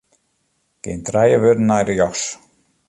Gean trije wurden nei rjochts.